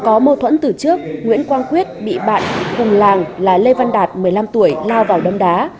có mâu thuẫn từ trước nguyễn quang quyết bị bạn cùng làng là lê văn đạt một mươi năm tuổi lao vào đâm đá